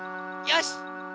よし！